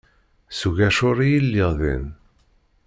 S ugacur i lliɣ din.